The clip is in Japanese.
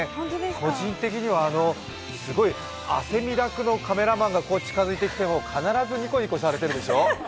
個人的にはすごい汗だくのカメラマンが近づいてきても必ずニコニコされてるでしょ？